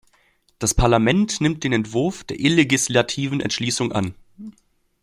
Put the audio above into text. Das Parlament nimmt den Entwurf der llegislativen Entschließung an.